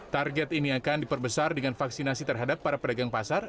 target ini akan diperbesar dengan vaksinasi terhadap para pedagang pasar